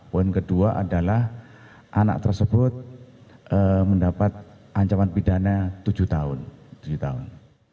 poin kedua adalah anak tersebut mendapat ancaman bidana tujuh tahun